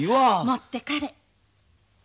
持ってかれ。